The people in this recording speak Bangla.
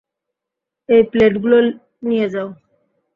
এই প্লেটগুলো নিয়ে যাও!